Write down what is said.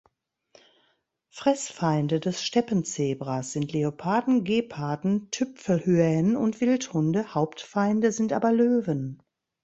Fressfeinde des Steppenzebras sind Leoparden, Geparden, Tüpfelhyänen und Wildhunde, Hauptfeinde sind aber Löwen.